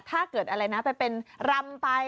ถ้าเกิดอะไรนะไปเป็นรำไป